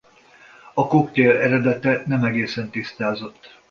A koktél eredete nem egészen tisztázott.